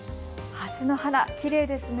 ハスの花、きれいですね。